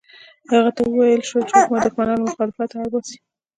هغه ته وویل شول چې حکومت دښمنان له مخالفته اړ باسي.